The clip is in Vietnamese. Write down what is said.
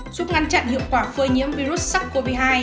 giúp ngăn chặn hiệu quả phơi nhiễm virus sars cov hai